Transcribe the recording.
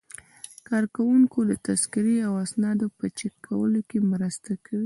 کارکوونکي د تذکرې او اسنادو په چک کولو کې مرسته کوي.